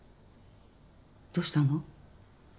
どうしたの？